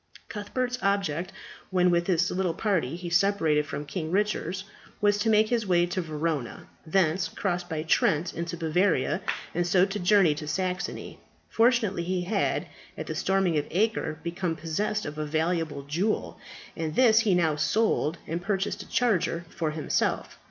Cuthbert's object, when with his little party he separated from King Richard, was to make his way to Verona, thence cross by Trent into Bavaria, and so to journey to Saxony. Fortunately he had, at the storming of Acre, become possessed of a valuable jewel, and this he now sold, and purchased a charger for himself.